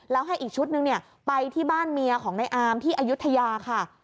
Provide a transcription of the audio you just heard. แล้วให้อีกชุดนึงไปที่บ้านเมียของในอามที่อายุทยาค่ะ